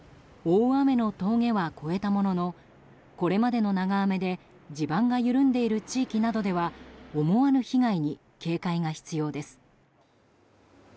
大雨の峠は越えたもののこれまでの長雨で地盤が緩んでいる地域などでは思わぬ被害に警戒が必要です。